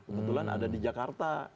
kebetulan ada di jakarta